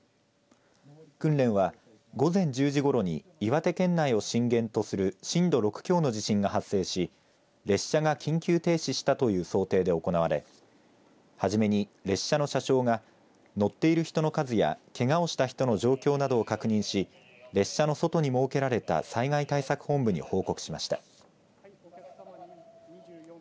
訓練は午前１０時ごろに岩手県内を震源とする震度６強の地震が発生し列車が緊急停止したという想定で行われ初めに列車の車掌が乗っている人の数やけがをした人の状況などを確認し列車の外に設けられた災害対策本部に報告しました。